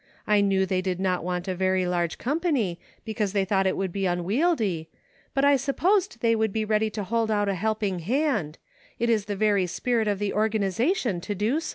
I knew they did not want a very large company, because they thought it would be unwieldy ; but I supposed they would be ready to hold out a helping hand ; it is the very spirit of the organization to do so."